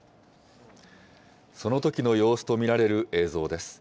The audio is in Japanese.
そのときの様子と見られる映像です。